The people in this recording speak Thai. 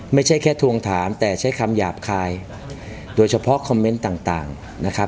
ไม่ใช่แค่ทวงถามแต่ใช้คำหยาบคายโดยเฉพาะคอมเมนต์ต่างนะครับ